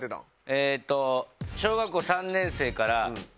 えっと小学校３年生から中３まで。